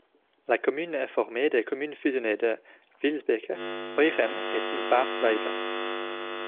La commune est formée des communes fusionnées de Wielsbeke, Ooigem et Sint-Baafs-Vijve.